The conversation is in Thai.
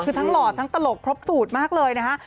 คือทั้งหล่อทั้งตลกครบสูตรมากเลยนะคะ